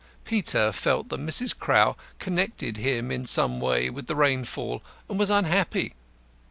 Peter felt that Mrs. Crowl connected him in some way with the rainfall, and was unhappy.